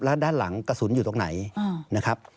แล้วด้านหลังกระสุนอยู่ตรงไหนนะครับ